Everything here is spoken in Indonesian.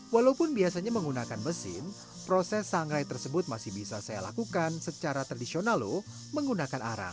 walaupun biasanya menggunakan mesin proses sangrai tersebut masih bisa saya lakukan secara tradisional lho menggunakan arang